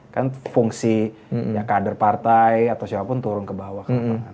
kan fungsi ya kader partai atau siapapun turun ke bawah ke lapangan